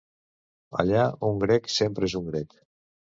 Allà un grec sempre és un grec.